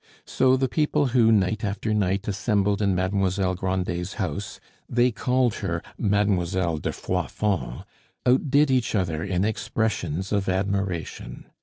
So the people who, night after night, assembled in Mademoiselle Grandet's house (they called her Mademoiselle de Froidfond) outdid each other in expressions of admiration.